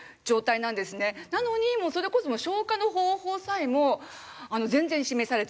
なのにそれこそ消火の方法さえも全然示されてない。